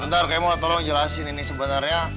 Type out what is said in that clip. bentar saya mau tolong jelasin ini sebenarnya